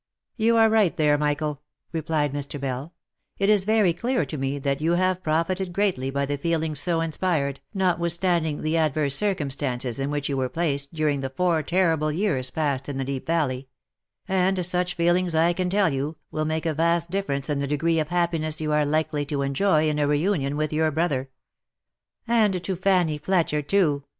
" You are right there, Michael," replied Mr. Bell ;" it is very clear to me that you have profited greatly by the feelings so inspired, not withstanding the adverse circumstances in which you were placed during the four terrible years passed in the Deep Valley ; and such feelings I can tell you, will make a vast difference in the degree of happiness you are likely to enjoy in a reunion with your brother." "And to Fanny Fletcher too!"